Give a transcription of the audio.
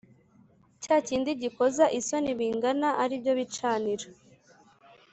Cya kindi gikoza isoni bingana ari byo bicaniro